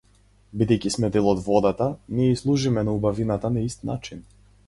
Бидејќи сме дел од водата, ние ѝ служиме на убавината на ист начин.